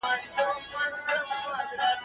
ګلرخان درومي نن و مېلې ته